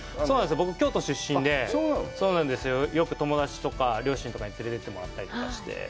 僕、京都出身で、よく友達とか両親とかにつれて行ってもらったりして。